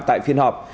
tại phiên họp